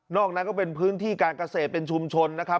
นั้นก็เป็นพื้นที่การเกษตรเป็นชุมชนนะครับ